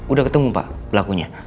udah ketemu pak pelakunya